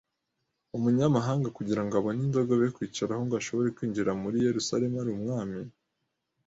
'umunyamahanga kugira ngo abone indogobe yo kwicaraho ngo ashobore kwinjira muri Yerusalemu ari Umwami